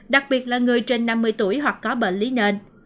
đặc biệt là người trên năm mươi tuổi hoặc có bệnh lý nền